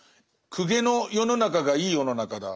公家の世の中がいい世の中だ